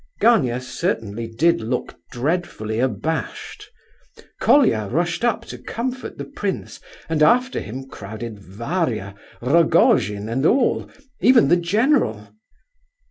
Gania certainly did look dreadfully abashed. Colia rushed up to comfort the prince, and after him crowded Varia, Rogojin and all, even the general.